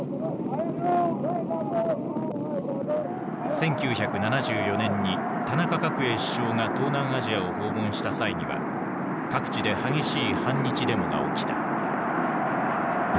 １９７４年に田中角栄首相が東南アジアを訪問した際には各地で激しい反日デモが起きた。